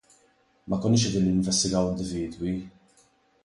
Ma konniex qegħdin ninvestigaw individwi.